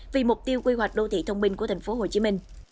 vì mục tiêu quy hoạch đô thị thông minh của tp hcm